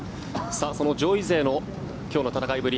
その上位勢の今日の戦いぶり